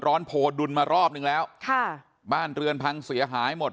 โพดุลมารอบนึงแล้วค่ะบ้านเรือนพังเสียหายหมด